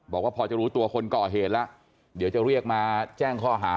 บอกว่าพอจะรู้ตัวคนก่อเหตุแล้วเดี๋ยวจะเรียกมาแจ้งข้อหา